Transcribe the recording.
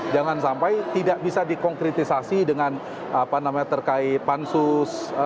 jangan sampai tidak bisa dikongkritisasi dengan terkait pansus